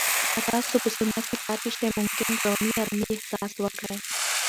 که تاسو په سونا کې پاتې شئ، ممکن رواني آرامۍ احساس وکړئ.